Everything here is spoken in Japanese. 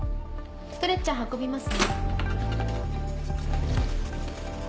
ストレッチャー運びますね。